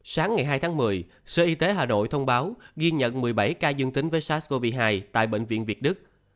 sáng ngày hai tháng một mươi sở y tế hà nội thông báo ghi nhận một mươi bảy ca dương tính với sars cov hai tại bệnh viện việt đức